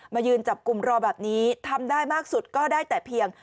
มายืนจับกลุ่มรอแบบนี้ทำได้มากสุดก็ได้แต่เพียง